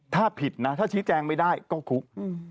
ถ้าผิดนะถ้าชี้แจงไม่ได้ก็คุก